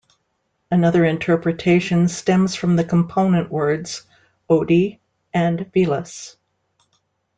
Another interpretation stems from the component words: "odi" and "velas".